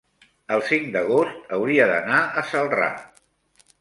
el cinc d'agost hauria d'anar a Celrà.